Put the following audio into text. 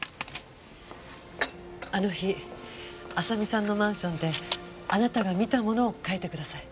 あの日亜沙美さんのマンションであなたが見たものを描いてください。